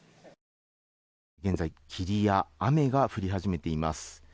現在霧や雨が降り始めています。